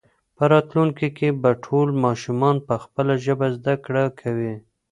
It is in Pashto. په راتلونکي کې به ټول ماشومان په خپله ژبه زده کړه کوي.